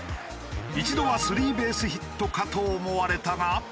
一度はスリーベースヒットかと思われたが。